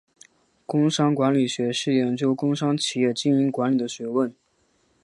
工商管理学是研究工商企业经营管理的学问。